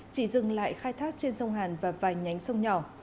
chỉ dừng lại khai thác trên sông hàn và vài nhánh sông nhỏ